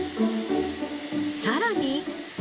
さらに。